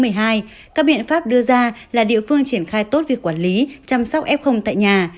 các biện pháp đưa ra là địa phương triển khai tốt việc quản lý chăm sóc f tại nhà